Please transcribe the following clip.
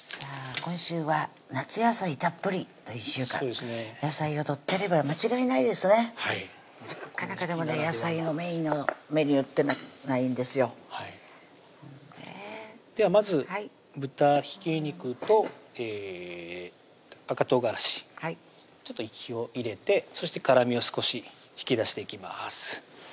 今週は「夏野菜たっぷり」という１週間野菜をとってれば間違いないですねはいなかなかでもね野菜のメインのメニューってないんですよではまず豚ひき肉と赤唐辛子ちょっと火を入れてそして辛みを少し引き出していきます